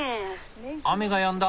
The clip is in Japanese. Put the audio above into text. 雨がやんだ。